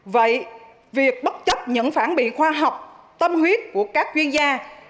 vậy việc bất chấp những phản biện khoa học tâm huyết của các chuyên gia